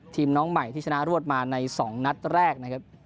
น้องใหม่ที่ชนะรวดมาใน๒นัดแรกนะครับ